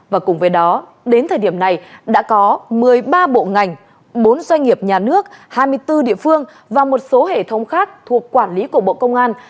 và cùng với đó đến thời điểm này đã có một mươi ba bộ ngành bốn doanh nghiệp nhà nước hai mươi bốn địa phương và một số hệ thống khác thuộc quản lý của bộ công an